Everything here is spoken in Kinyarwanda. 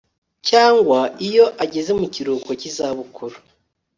cyangwa iyo ageze mu kiruhuko cy izabukuru